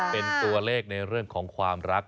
เป็นตัวเลขในเรื่องของความรัก